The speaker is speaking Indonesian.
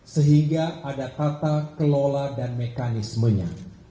sehingga ada tata kelola dan mekanismenya